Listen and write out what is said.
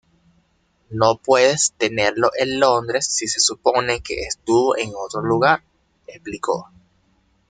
No puedes tenerlo en Londres si se supone que estuvo en otro lugar", explicó.